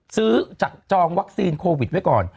จากจองวัคซีนโควิดไว้ก่อน